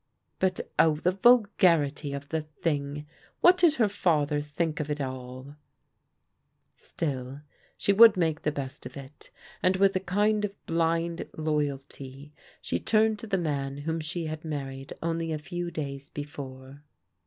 But oh, the vulgarity of the thing ! What did her father think of it all ? Still she would make the best of it, and with a kind of blind loyalty she turned to the man whom she had mar ried only a few days before.